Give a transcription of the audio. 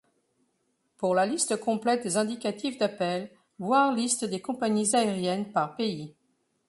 Pour la liste complète des indicatifs d’appel, voir Liste des compagnies aériennes par pays.